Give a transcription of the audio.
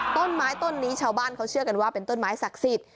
ต้นไม้ต้นนี้ชาวบ้านเขาเชื่อกันว่าเป็นต้นไม้ศักดิ์สิทธิ์